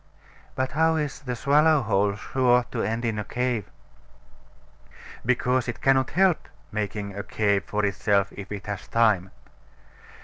But how is the swallow hole sure to end in a cave? Because it cannot help making a cave for itself if it has time.